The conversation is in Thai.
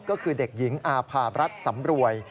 ก็คือเด็กหญิงอาภารัฐสำรวย